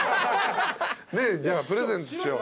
じゃあプレゼントしよう。